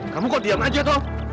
kamu kok diam aja dong